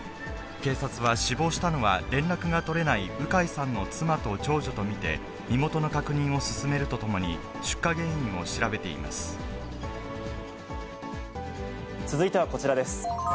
警察は、死亡したのは連絡が取れない鵜飼さんの妻と長女と見て、身元の確認を進めるとともに、続いてはこちらです。